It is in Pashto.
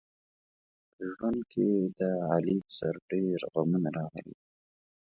په ژوند کې د علي په سر ډېر غمونه راغلي دي.